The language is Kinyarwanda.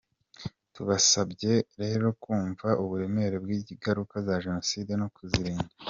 Tubasabye rero kumva uburemere bw’ingaruka za Jenoside no kuzirinda.